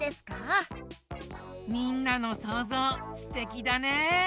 みんなのそうぞうすてきだね！